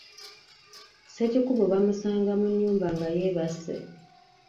Sekikubo bamusanga mu nnyumba nga yeebase.